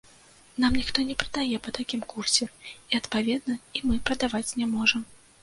Нам ніхто не прадае па такім курсе і, адпаведна, і мы прадаваць не можам.